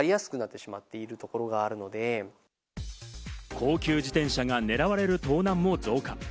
高級自転車が狙われる盗難も増加。